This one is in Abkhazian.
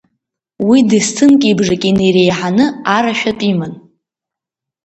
Уи десҭынки бжаки инареиҳаны арашәатә иман.